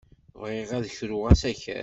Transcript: Bɣiɣ ad d-kruɣ asakal.